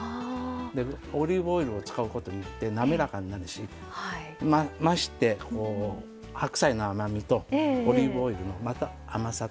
オリーブオイルを使うことによってなめらかになるしまして白菜の甘みとオリーブオイルの甘さと